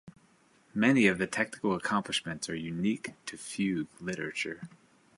Many of the technical accomplishments are unique to fugue literature.